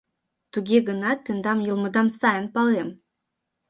Туге гынат тендан йылмыдам сайын палем.